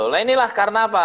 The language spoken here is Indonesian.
nah inilah karena apa